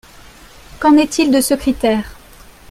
Qu’en est-il de ce critère?